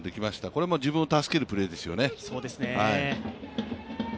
これも自分を助けるプレーですよね。